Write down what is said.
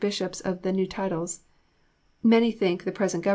Bishops of their new titles. Many think the present Gov.